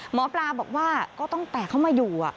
หมอปลาบอกว่าก็ตั้งแต่เขามาอยู่